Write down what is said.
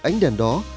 ánh đèn đó